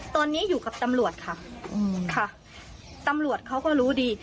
ตอนนี้อยู่กับตำรวจค่ะตำรวจเขาก็รู้ดี